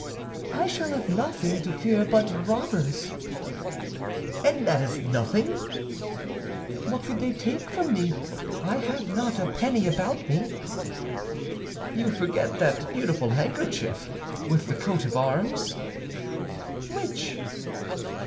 "I shall have nothing to fear but robbers." "And that is nothing?" "What could they take from me? I have not a penny about me." "You forget that beautiful handkerchief with the coat of arms." "Which?"